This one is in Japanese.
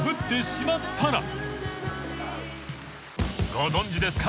［ご存じですか？